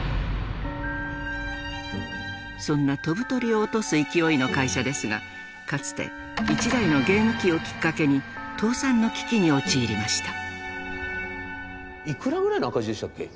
そんな「飛ぶ鳥を落とす勢い」の会社ですがかつて１台のゲーム機をきっかけに倒産の危機に陥りました。